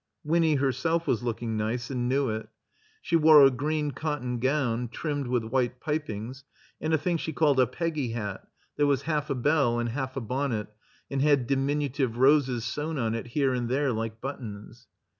Winny herself was looking nice and knew it. She 3S6 THE COMBINED MAZE wore a green cotton gown trimmed with white pipings, and a thing she called a Peggy hat that was half a bell and half a bonnet and had diminutive roses sewn on it here and there like buttons.